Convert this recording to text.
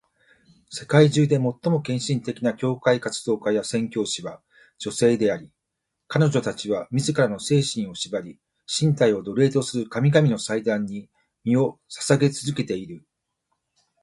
世界中で最も献身的な教会活動家や宣教師は女性であり、彼女たちは自らの精神を縛り、身体を奴隷とする神々の祭壇に身を捧げ続けている。